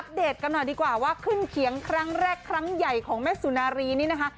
เดตกันหน่อยดีกว่าว่าขึ้นเขียงครั้งแรกครั้งใหญ่ของแม่สุนารีนี่นะคะ